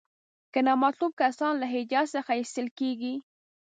که نامطلوب کسان له حجاز څخه ایستل کیږي.